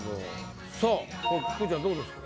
さあこれくーちゃんどうですか？